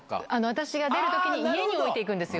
私が出るときに家に置いていくんですよ。